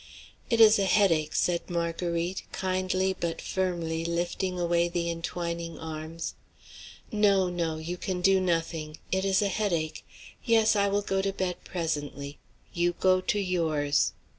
"It is a headache," said Marguerite, kindly but firmly lifting away the intwining arms. "No, no, you can do nothing. It is a headache. Yes, I will go to bed presently; you go to yours.